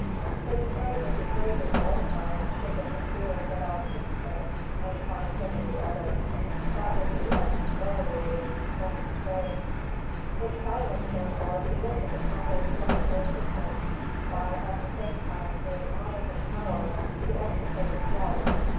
His pride would be greatly mortified should the Kaffir get out of his pit, and find him in the other. That would be a humiliating rencontre. In silence, therefore, he listened to Congo's cries for assistance, while at the same time doing all in his power to extricate himself.